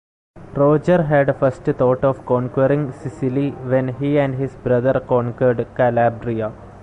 Roger had first thought of conquering Sicily when he and his brother conquered Calabria.